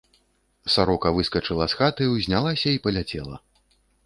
Сарока выскачыла з хаты, узнялася і паляцела.